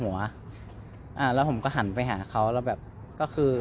เวลาที่สุดตอนที่สุด